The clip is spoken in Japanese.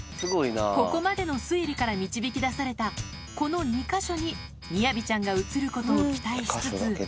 ここまでの推理から導き出されたこの２か所にみやびちゃんが写ることを期待しつつ。